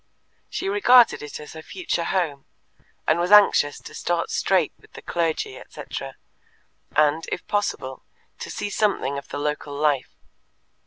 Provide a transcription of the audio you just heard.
She regarded it as her future home, and was anxious to start straight with the clergy, etc., and, if possible, to see something of the local life.